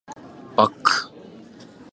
バック